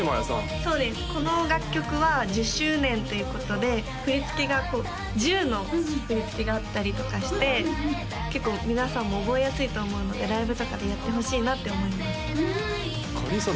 そうですこの楽曲は１０周年ということで振り付けがこう１０の振り付けがあったりとかして結構皆さんも覚えやすいと思うのでライブとかでやってほしいなって思いますかりんさん